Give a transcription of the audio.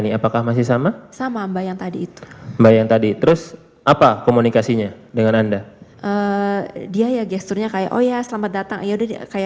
iya itu benar